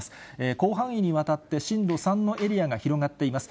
広範囲にわたって震度３のエリアが広がっています。